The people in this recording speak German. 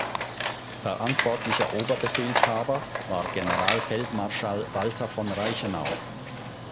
Verantwortlicher Oberbefehlshaber war Generalfeldmarschall Walter von Reichenau.